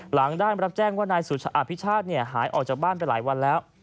หลังได้รับแจ้งว่านายสุอภิชาติหายออกจากบ้านไปหลายวันแล้ว